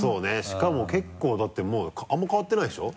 しかも結構だってあんま変わってないでしょ？